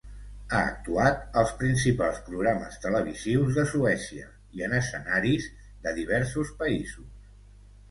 Ha actuat als principals programes televisius de Suècia i en escenaris de diversos països.